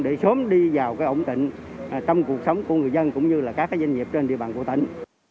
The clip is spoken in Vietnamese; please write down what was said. để sớm đi vào ổn định trong cuộc sống của người dân cũng như là các doanh nghiệp trên địa bàn của tỉnh